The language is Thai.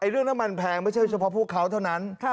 เรื่องน้ำมันแพงไม่ใช่เฉพาะพวกเขาเท่านั้น